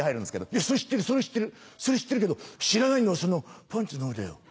「いやそれ知ってるそれ知ってるそれ知ってるけど知らないのはそのパンツのほうだよ。